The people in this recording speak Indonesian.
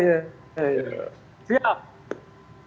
dan istana merdeka jakarta